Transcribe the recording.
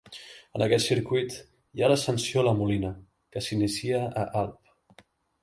En aquest circuit hi ha l'ascensió a La Molina, que s'inicia a Alp.